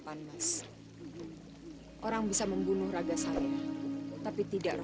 kau tunggu pembalasanku